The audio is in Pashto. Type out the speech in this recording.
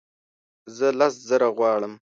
زه لس زره غواړم